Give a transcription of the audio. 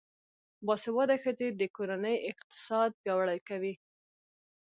باسواده ښځې د کورنۍ اقتصاد پیاوړی کوي.